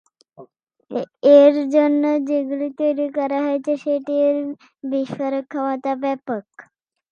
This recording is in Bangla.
এর জন্য যে গুলি তৈরী করা হয়েছে সেটির বিস্ফোরক ক্ষমতা ব্যাপক।